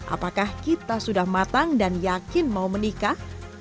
apakah kita sudah matang dan yakin mau menikah